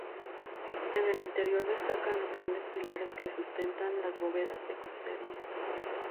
En el interior destacan los grandes pilares que sustentan las bóvedas de crucería.